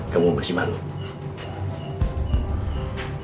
kamu masih bangun